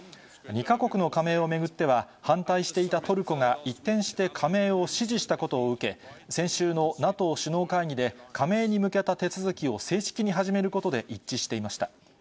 ２か国の加盟を巡っては、反対していたトルコが一転して加盟を支持したことを受け、先週のＮＡＴＯ首脳会議で、加盟に向けた手続きを正式に始めることで一致していました。